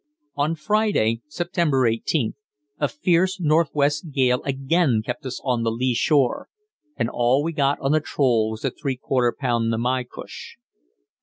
On Friday (September 18th) a fierce northwest gale again kept us on the lee shore, and all we got on the troll was a three quarter pound namaycush.